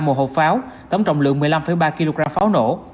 một hộp pháo tổng trọng lượng một mươi năm ba kg pháo nổ